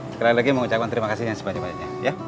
sekali lagi mau ucapkan terima kasih yang sepanjang sepanjangnya ya